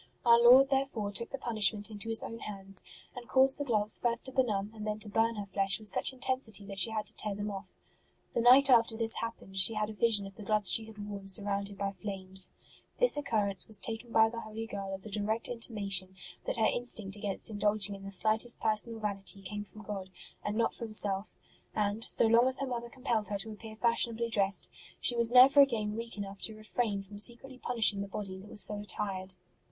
Our Lord therefore took the punishment into His own hands, and caused the gloves first to benumb and then to burn her flesh with such intensity that she had to tear them off. The night after this happened she had a vision of the gloves she had worn surrounded by flames. This occurrence was taken by the holy girl as a direct intimation that her instinct against indulging in the slightest personal vanity came from God and not from self; and, so long as her mother compelled her 5 66 ST. ROSE OF LIMA to appear fashionably dressed, she was never again weak enough to refrain from secretly punishing the body that was so attired.